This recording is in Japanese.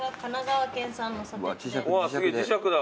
うわすげえ磁石だ。